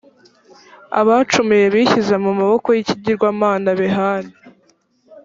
abacumuye bishyize mu maboko y’ikigirwamana behali.